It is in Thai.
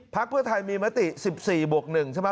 พลักษณ์เพื่อไทยมีมติ๑๔บวก๑ใช่มั้ย